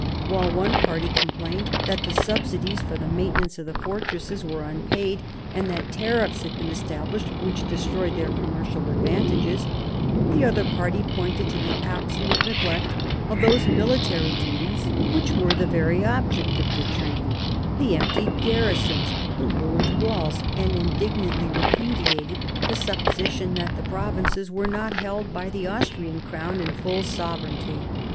While one party complained that the subsidies for the maintenance of the fortresses were unpaid and that tariffs had been established which destroyed their commercial advantages, the other party pointed to the absolute neglect of those military duties which were the very object of the treaty, the emptied garrisons, and the ruined walls, and indignantly repudiated the supposition that the provinces were not held by the Austrian crown in full sovereignty.